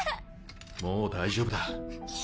もう大丈夫だ。